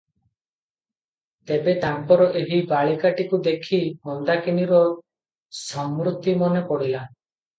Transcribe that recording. ତେବେ ତାଙ୍କର ଏହି ବାଳିକାଟିକୁ ଦେଖି ମନ୍ଦାକିନୀର ସ୍ମୃତି ମନେ ପଡ଼ିଲା ।